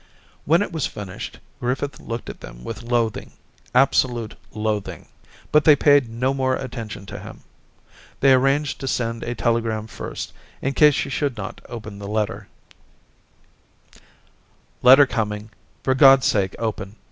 When it was finished, Griffith looked at them with loathing, absolute loathing — but they paid no more attention to him. They arranged to send a telegram first, in case she should not open the letter, —' Letter coming ; for GocFs sake open !